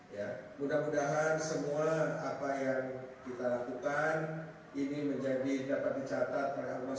mudah mudahan semua apa yang kita lakukan ini menjadi dapat dicatat oleh allah swt